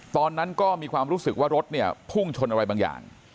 ตอนนั้นก็มีความรู้สึกว่ารถเนี่ยพุ่งชนอะไรบางอย่าง